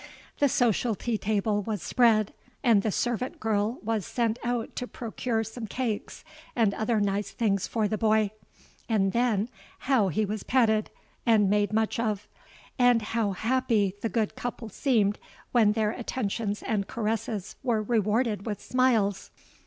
The social tea table was spread, and the servant girl was sent out to procure some cakes and other nice things for the boy; and then how he was petted and made much of—and how happy the good couple seemed when their attentions and caresses were rewarded with smiles!